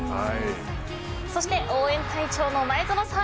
そして応援隊長の前園さん